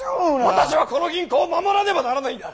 私はこの銀行を守らねばならないんだ！